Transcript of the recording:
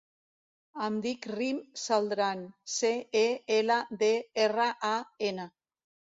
Em dic Rym Celdran: ce, e, ela, de, erra, a, ena.